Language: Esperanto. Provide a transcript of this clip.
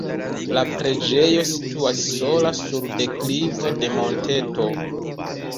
La preĝejo situas sola sur deklivo de monteto.